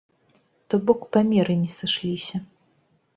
То бок, памеры не сышліся.